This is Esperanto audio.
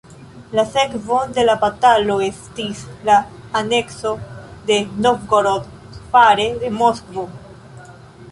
La sekvon de la batalo estis la anekso de Novgorod fare de Moskvo.